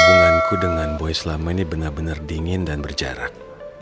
hubunganku dengan boy selama ini benar benar dingin dan berjarak